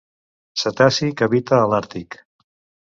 Cetaci que habita a l'àrtic.